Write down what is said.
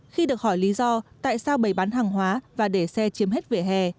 khi được hỏi lý do tại sao bày bán hàng hóa và để xe chiếm hết vỉa hè